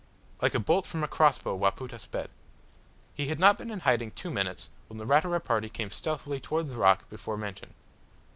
Like a bolt from a crossbow Wapoota sped. He had not been in hiding two minutes when the Ratura party came stealthily towards the rock before mentioned.